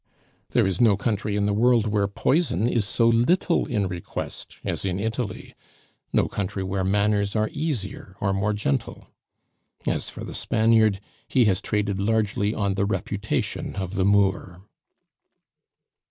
There is no country in the world where poison is so little in request as in Italy, no country where manners are easier or more gentle. As for the Spaniard, he has traded largely on the reputation of the Moor.